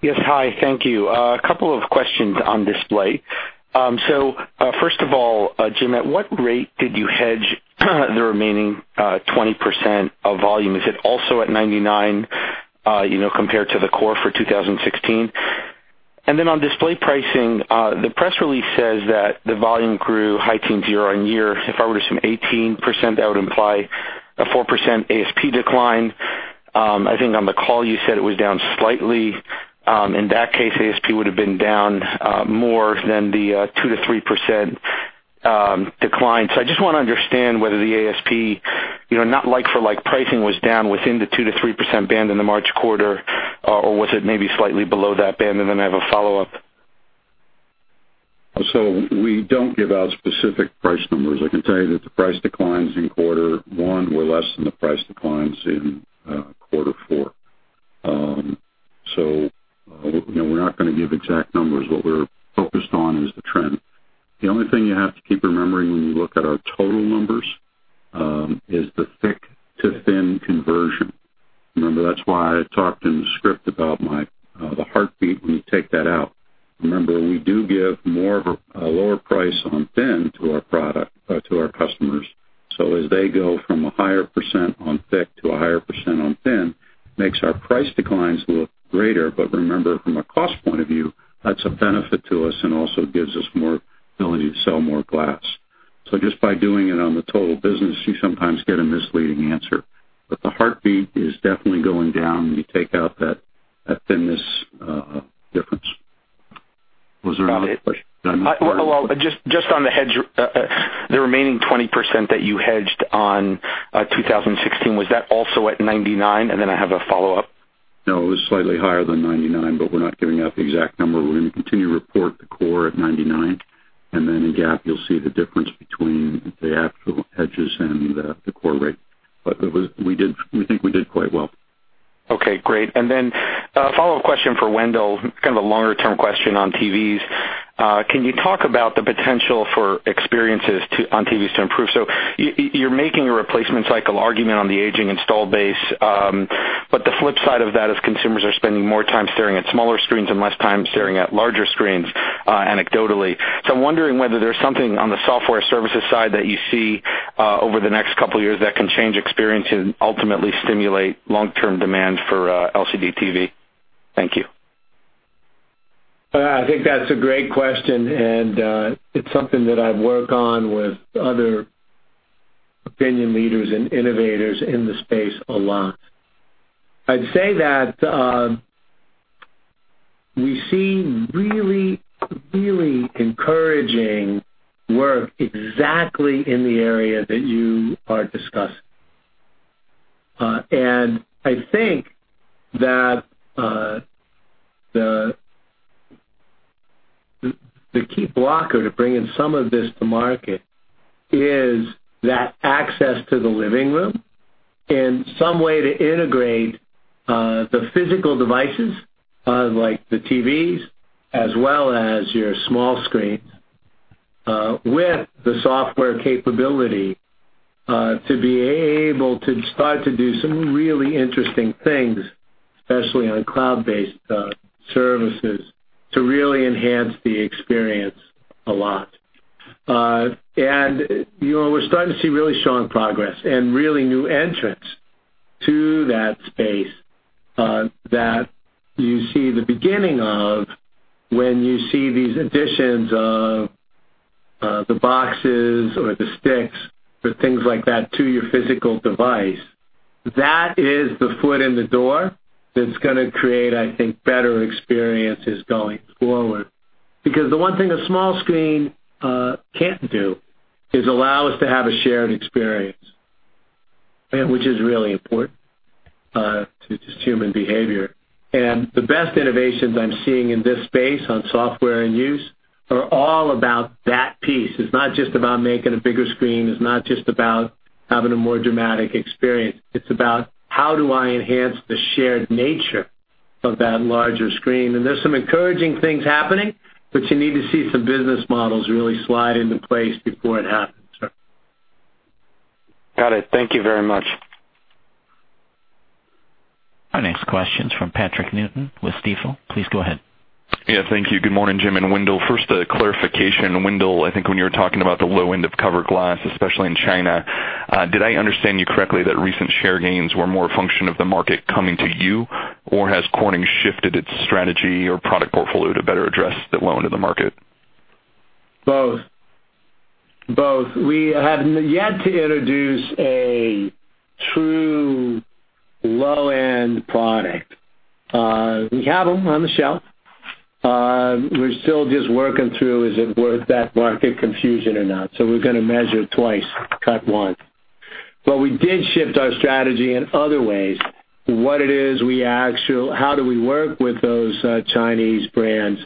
Yes. Hi, thank you. A couple of questions on display. First of all, Jim, at what rate did you hedge the remaining 20% of volume? Is it also at 99 compared to the core for 2016? On display pricing, the press release says that the volume grew high teens year-over-year. If I were to assume 18%, that would imply a 4% ASP decline. I think on the call you said it was down slightly. In that case, ASP would have been down more than the 2%-3% decline. I just want to understand whether the ASP, not like-for-like pricing, was down within the 2%-3% band in the March quarter, or was it maybe slightly below that band? I have a follow-up. We don't give out specific price numbers. I can tell you that the price declines in quarter one were less than the price declines in quarter four. We're not going to give exact numbers. What we're focused on is the trend. The only thing you have to keep remembering when you look at our total numbers is the thick-to-thin conversion. Remember, that's why I talked in the script about the heartbeat when you take that out. Remember, we do give more of a lower price on thin to our customers. As they go from a higher % on thick to a higher % on thin, makes our price declines look greater. Remember, from a cost point of view, that's a benefit to us and also gives us more ability to sell more glass. Just by doing it on the total business, you sometimes get a misleading answer. The heartbeat is definitely going down when you take out that thinness difference. Was there another question? Did I miss part of it? Just on the hedge, the remaining 20% that you hedged on 2016, was that also at 99? I have a follow-up. No, it was slightly higher than 99, but we're not giving out the exact number. We're going to continue to report the core at 99. In GAAP, you'll see the difference between the actual hedges and the core rate. We think we did quite well. Okay, great. A follow-up question for Wendell, kind of a longer-term question on TVs. Can you talk about the potential for experiences on TVs to improve? You're making a replacement cycle argument on the aging install base. The flip side of that is consumers are spending more time staring at smaller screens and less time staring at larger screens, anecdotally. I'm wondering whether there's something on the software services side that you see over the next couple of years that can change experiences and ultimately stimulate long-term demand for LCD TV. Thank you. I think that's a great question, it's something that I've worked on with other opinion leaders and innovators in the space a lot. I'd say that we see really, really encouraging work exactly in the area that you are discussing. I think that the key blocker to bringing some of this to market is that access to the living room and some way to integrate the physical devices, like the TVs, as well as your small screens, with the software capability to be able to start to do some really interesting things, especially on cloud-based services, to really enhance the experience a lot. We're starting to see really strong progress and really new entrants to that space that you see the beginning of when you see these additions of the boxes or the sticks or things like that to your physical device. That is the foot in the door that's going to create, I think, better experiences going forward. Because the one thing a small screen can't do is allow us to have a shared experience, which is really important to just human behavior. The best innovations I'm seeing in this space on software and use are all about that piece. It's not just about making a bigger screen. It's not just about having a more dramatic experience. It's about how do I enhance the shared nature of that larger screen. There's some encouraging things happening, you need to see some business models really slide into place before it happens. Got it. Thank you very much. Our next question's from Patrick Newton with Stifel. Please go ahead. Yeah, thank you. Good morning, Jim and Wendell. First, a clarification. Wendell, I think when you were talking about the low end of cover glass, especially in China, did I understand you correctly that recent share gains were more a function of the market coming to you? Or has Corning shifted its strategy or product portfolio to better address the low end of the market? Both. We have yet to introduce a true low-end product. We have them on the shelf. We're still just working through is it worth that market confusion or not? We're going to measure twice, cut once. We did shift our strategy in other ways. How do we work with those Chinese brands?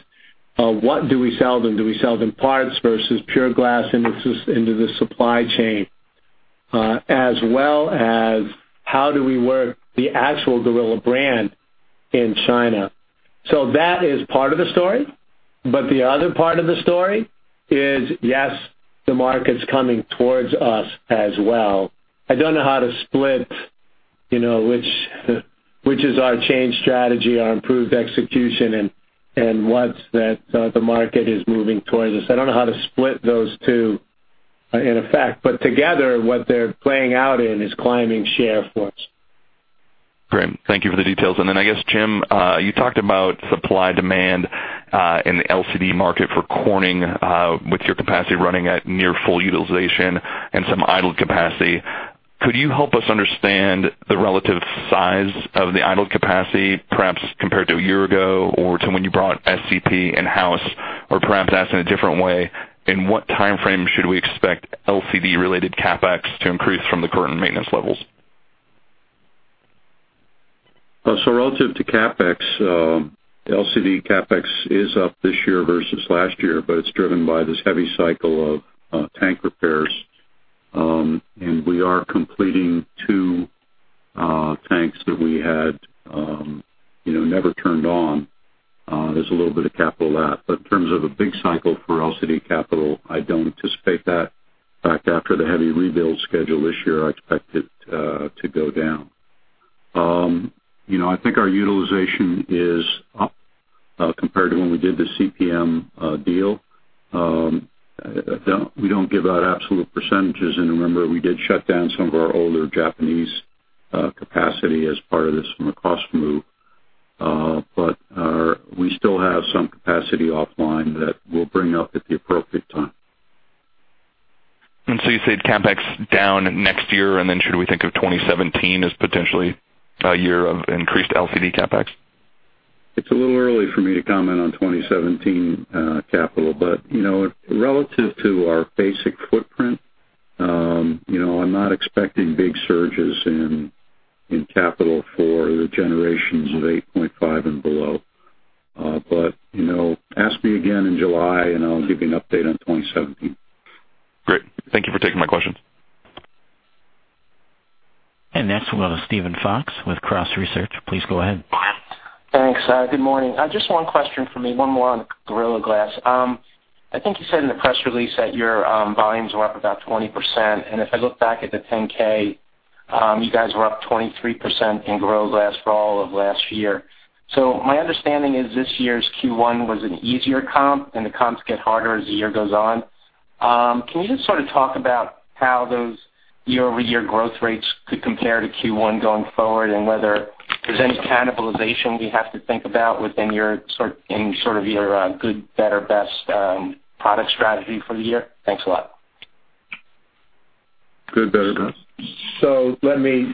What do we sell them? Do we sell them parts versus pure glass into the supply chain? As well as how do we work the actual Gorilla brand in China? That is part of the story, but the other part of the story is, yes, the market's coming towards us as well. I don't know how to split which is our change strategy, our improved execution, and what's that the market is moving towards us. I don't know how to split those two in effect, but together, what they're playing out in is climbing share for us. Great. Thank you for the details. I guess, Jim, you talked about supply-demand, in the LCD market for Corning, with your capacity running at near full utilization and some idled capacity. Could you help us understand the relative size of the idled capacity, perhaps compared to a year ago or to when you brought SCP in-house? Perhaps asked in a different way, in what timeframe should we expect LCD-related CapEx to increase from the current maintenance levels? Relative to CapEx, LCD CapEx is up this year versus last year, but it's driven by this heavy cycle of tank repairs. We are completing two tanks that we had never turned on. There's a little bit of capital lab. In terms of a big cycle for LCD capital, I don't anticipate that. In fact, after the heavy rebuild schedule this year, I expect it to go down. I think our utilization is up compared to when we did the CPM deal. We don't give out absolute percentages, remember, we did shut down some of our older Japanese capacity as part of this from a cost move. We still have some capacity offline that we'll bring up at the appropriate time. You said CapEx down next year, should we think of 2017 as potentially a year of increased LCD CapEx? It's a little early for me to comment on 2017 capital, but relative to our basic footprint, I'm not expecting big surges in capital for the generations of 8.5 and below. Ask me again in July, and I'll give you an update on 2017. Great. Thank you for taking my questions. Next we'll go to Steven Fox with Cross Research. Please go ahead. Thanks. Good morning. Just one question for me, one more on Gorilla Glass. I think you said in the press release that your volumes were up about 20%, and if I look back at the 10-K, you guys were up 23% in Gorilla Glass for all of last year. My understanding is this year's Q1 was an easier comp, and the comps get harder as the year goes on. Can you just sort of talk about how those year-over-year growth rates could compare to Q1 going forward, and whether there's any cannibalization we have to think about within your good, better, best product strategy for the year? Thanks a lot. Good, better, best. Let me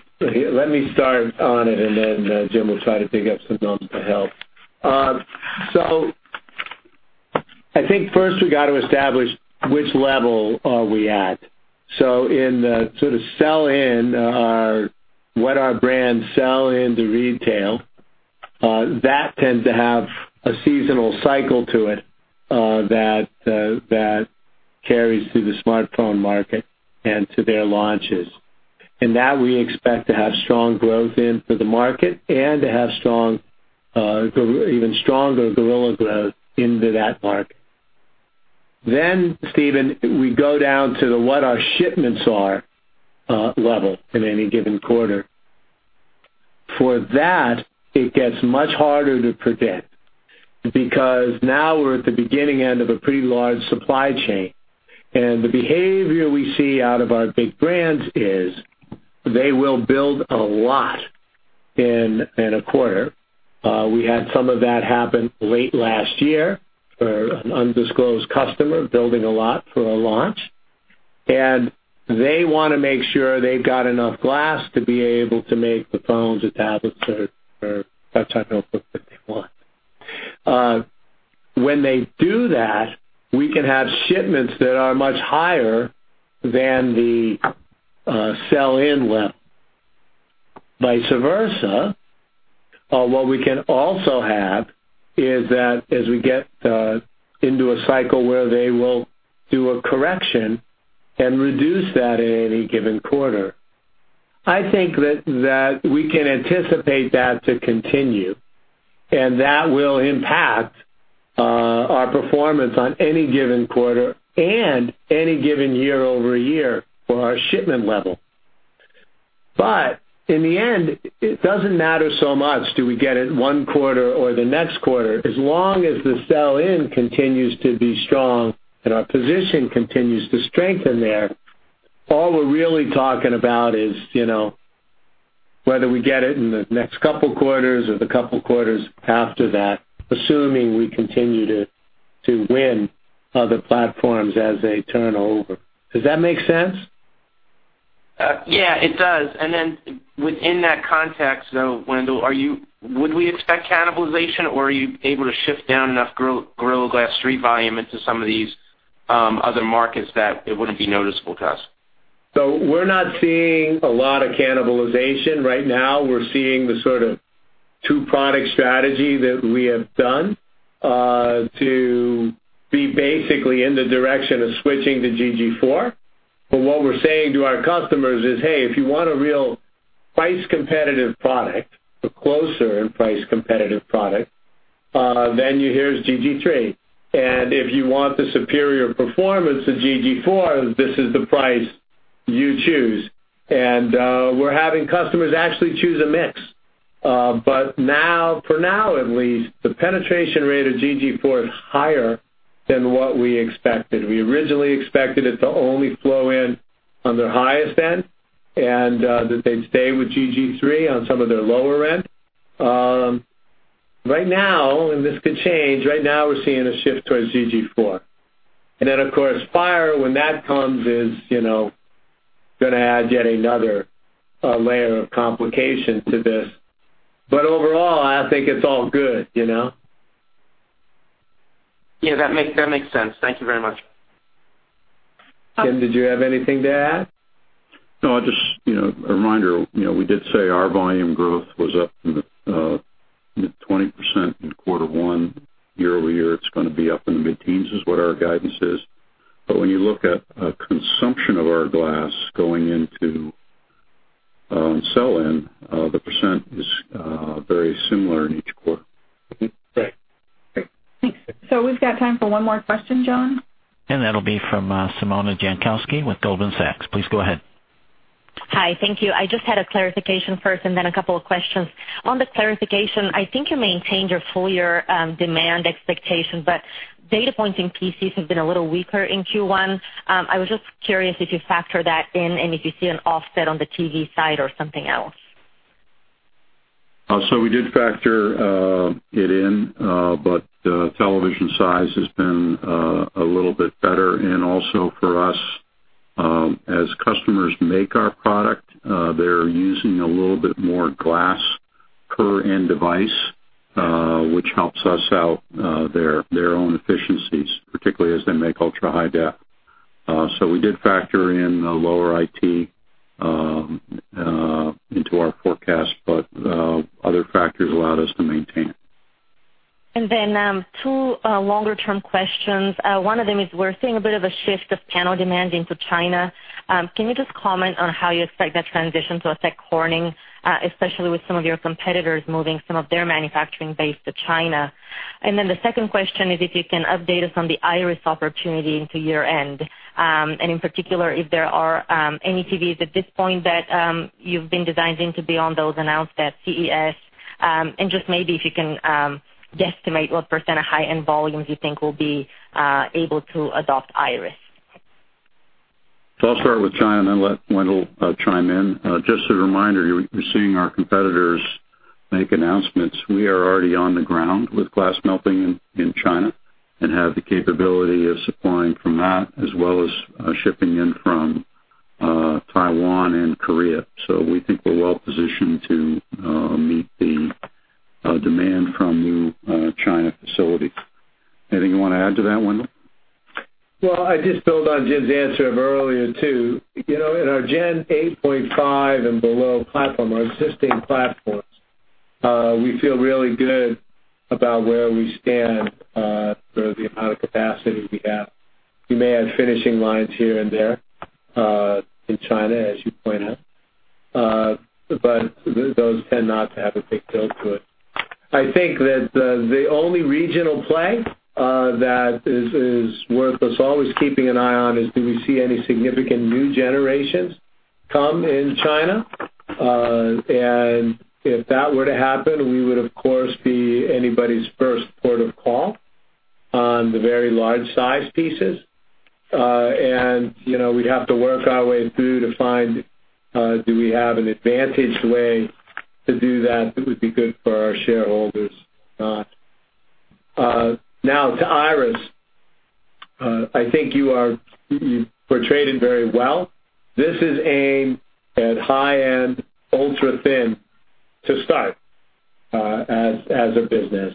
start on it. Then Jim will try to dig up some numbers to help. I think first we got to establish which level are we at. In the sort of sell-in, what our brands sell into retail, that tend to have a seasonal cycle to it that carries through the smartphone market and to their launches. That we expect to have strong growth in for the market and to have even stronger Gorilla growth into that market. Then, Steven, we go down to the what our shipments are level in any given quarter. For that, it gets much harder to predict because now we're at the beginning end of a pretty large supply chain. The behavior we see out of our big brands is they will build a lot in a quarter. We had some of that happen late last year for an undisclosed customer building a lot for a launch. They want to make sure they've got enough glass to be able to make the phones or tablets or that type of notebook that they want. When they do that, we can have shipments that are much higher than the sell-in level. Vice versa, what we can also have is that as we get into a cycle where they will do a correction and reduce that in any given quarter. I think that we can anticipate that to continue. That will impact our performance on any given quarter and any given year-over-year for our shipment level. In the end, it doesn't matter so much do we get it one quarter or the next quarter, as long as the sell-in continues to be strong and our position continues to strengthen there, all we're really talking about is whether we get it in the next couple of quarters or the couple quarters after that, assuming we continue to win other platforms as they turn over. Does that make sense? Yeah, it does. Then within that context, though, Wendell, would we expect cannibalization, or are you able to shift down enough Corning Gorilla Glass 3 volume into some of these other markets that it wouldn't be noticeable to us? We're not seeing a lot of cannibalization right now. We're seeing the sort of two-product strategy that we have done to be basically in the direction of switching to GG4. What we're saying to our customers is, hey, if you want a real price-competitive product or closer in price competitive product, then here's GG3. If you want the superior performance of GG4, this is the price you choose. We're having customers actually choose a mix. For now at least, the penetration rate of GG4 is higher than what we expected. We originally expected it to only flow in on their highest end, and that they'd stay with GG3 on some of their lower end. Right now, and this could change, right now we're seeing a shift towards GG4. Then of course, Fibrance, when that comes, is going to add yet another layer of complication to this. Overall, I think it's all good. Yeah, that makes sense. Thank you very much. Jim, did you have anything to add? Just a reminder, we did say our volume growth was up in the mid-20% in quarter 1. Year-over-year, it's going to be up in the mid-teens, is what our guidance is. When you look at consumption of our glass going into sell-in, the % is very similar in each quarter. Right. Great. Thanks. We've got time for one more question, John. That'll be from Simona Jankowski with Goldman Sachs. Please go ahead. Hi. Thank you. I just had a clarification first and then a couple of questions. On the clarification, I think you maintained your full-year demand expectation, but data points in PCs have been a little weaker in Q1. I was just curious if you factor that in and if you see an offset on the TV side or something else. We did factor it in, but television size has been a little bit better. Also for us, as customers make our product, they're using a little bit more glass per end device, which helps us out their own efficiencies, particularly as they make ultra-high def. We did factor in the lower IT into our forecast, but other factors allowed us to maintain it. Two longer-term questions. One of them is we're seeing a bit of a shift of panel demand into China. Can you just comment on how you expect that transition to affect Corning, especially with some of your competitors moving some of their manufacturing base to China? The second question is if you can update us on the Iris opportunity into year-end, and in particular, if there are any TVs at this point that you've been designing to be on those announced at CES, and just maybe if you can guesstimate what % of high-end volumes you think will be able to adopt Iris. I'll start with China and let Wendell chime in. Just a reminder, you're seeing our competitors make announcements. We are already on the ground with glass melting in China and have the capability of supplying from that, as well as shipping in from Taiwan and Korea. We think we're well positioned to meet the demand from new China facilities. Anything you want to add to that, Wendell? I just build on Jim's answer of earlier too. In our Gen 8.5 and below platform, our existing platforms, we feel really good about where we stand for the amount of capacity we have. We may add finishing lines here and there in China, as you point out, but those tend not to have a big tilt to it. I think that the only regional play that is worth us always keeping an eye on is do we see any significant new generations come in China. If that were to happen, we would, of course, be anybody's first port of call on the very large size pieces. We'd have to work our way through to find do we have an advantaged way to do that that would be good for our shareholders. Now to Iris. I think you portrayed it very well. This is aimed at high-end, ultra-thin to start as a business.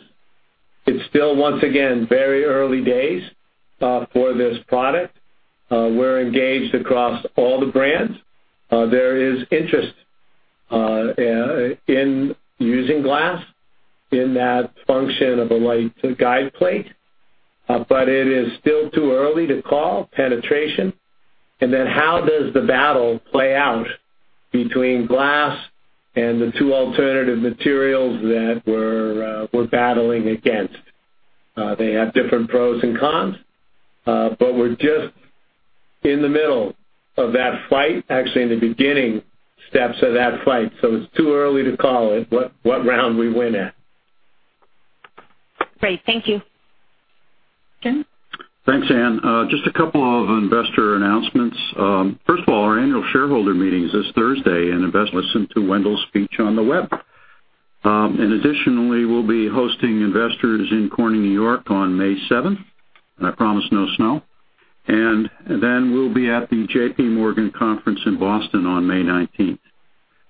It's still, once again, very early days for this product. We're engaged across all the brands. There is interest in using glass in that function of a light guide plate. It is still too early to call penetration. How does the battle play out between glass and the two alternative materials that we're battling against? They have different pros and cons, but we're just in the middle of that fight, actually in the beginning steps of that fight. It's too early to call it what round we win at. Great. Thank you. Jim? Thanks, Ann. Just two investor announcements. First of all, our annual shareholder meeting is this Thursday, and investors can listen to Wendell's speech on the web. Additionally, we'll be hosting investors in Corning, New York on May 7th, and I promise no snow. Then we'll be at the JPMorgan conference in Boston on May 19th.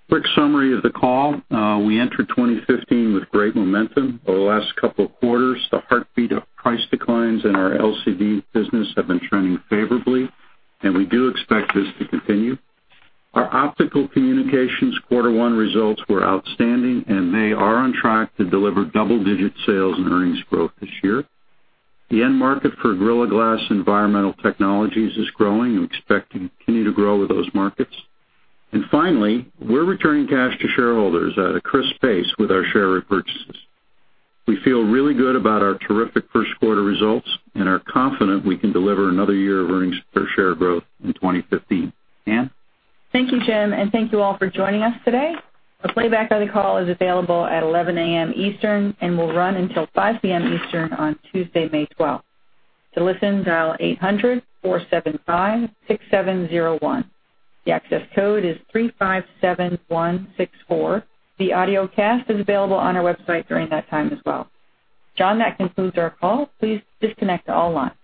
Quick summary of the call. We entered 2015 with great momentum. Over the last two quarters, the heartbeat of price declines in our LCD business have been trending favorably, and we do expect this to continue. Our Optical Communications Quarter One results were outstanding, and they are on track to deliver double-digit sales and earnings growth this year. The end market for Gorilla Glass environmental technologies is growing. We expect to continue to grow with those markets. Finally, we're returning cash to shareholders at a crisp pace with our share repurchases. We feel really good about our terrific first quarter results and are confident we can deliver another year of earnings per share growth in 2015. Ann? Thank you, Jim, and thank you all for joining us today. A playback of the call is available at 11:00 A.M. Eastern and will run until 5:00 P.M. Eastern on Tuesday, May 12th. To listen, dial 800-475-6701. The access code is 357164. The audiocast is available on our website during that time as well. John, that concludes our call. Please disconnect all lines.